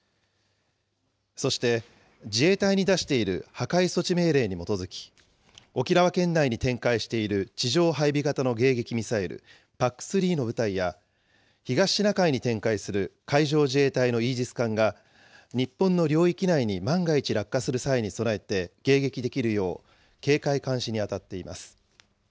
そして、自衛隊に出している破壊措置命令に基づき、沖縄県内に展開している地上配備型の迎撃ミサイル、ＰＡＣ３の部隊や、東シナ海に展開する海上自衛隊のイージス艦が、日本の領域内に万が一落下する際に備えて迎撃できるよう、警戒監視に当たっています。